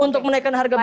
untuk menaikan harga bbm